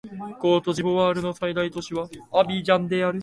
コートジボワールの最大都市はアビジャンである